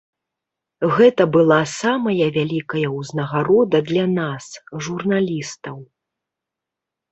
Гэта была самая вялікая ўзнагарода для нас, журналістаў!